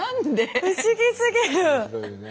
不思議すぎる！